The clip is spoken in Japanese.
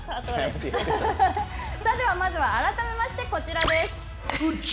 では、まずは改めまして、こちらです。